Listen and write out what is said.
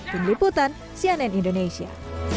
peneliputan sianen indonesia